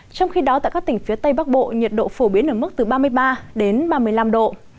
trong khi đó tại các tỉnh phía tây bắc bộ nhiệt độ phổ biến ở mức từ ba mươi ba đến ba mươi năm độ